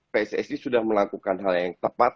pssi sudah melakukan hal yang tepat